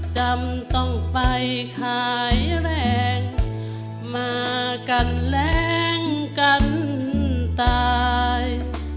จำต้องไปขายแรงมากันแรงกันตาย